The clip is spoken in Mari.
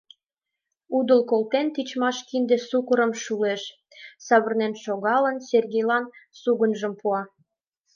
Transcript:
Удыл колтен, тичмаш кинде сукырым шулеш, савырнен шогалын, Сергейлан сугыньым пуа: